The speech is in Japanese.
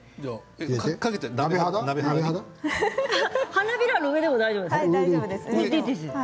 花びらの上でも大丈夫です。